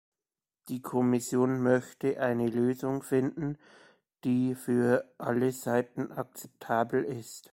Die Kommission möchte eine Lösung finden, die für alle Seiten akzeptabel ist.